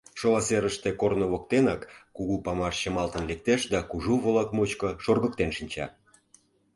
Шола серыште, корно воктенак, кугу памаш чымалтын лектеш да кужу волак мучко шоргыктен шинча.